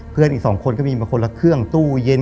เพื่อนอีกสองคนก็มีมาคนละเครื่องตู้เย็น